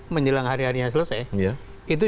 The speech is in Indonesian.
menjelang hari harinya selesai itu